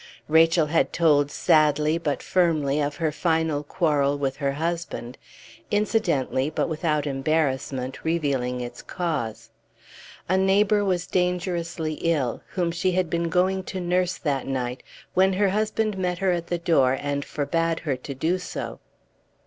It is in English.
Rachel had told sadly but firmly of her final quarrel with her husband, incidentally, but without embarrassment, revealing its cause. A neighbor was dangerously ill, whom she had been going to nurse that night, when her husband met her at the door and forbade her to do so.